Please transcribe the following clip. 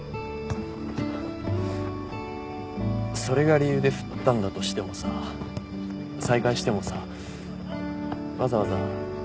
それが理由で振ったんだとしてもさ再会してもさわざわざ